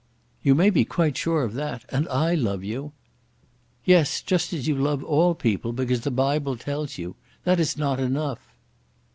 "You may be quite sure of that. And I love you." "Yes; just as you love all people, because the Bible tells you. That is not enough."